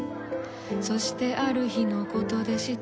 そしてある日のことでした。